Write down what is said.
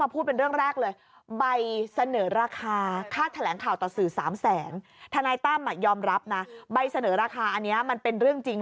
กูไม่กลัวพี่เออ